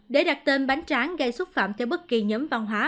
để đặt tên bánh tráng gây xúc phạm theo bất kỳ nhóm văn hóa